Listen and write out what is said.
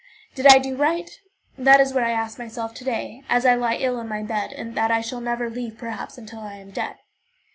Did I do right? That is what I ask myself to day, as I lie ill in my bed, that I shall never leave, perhaps, until I am dead.